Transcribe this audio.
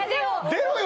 出ろよ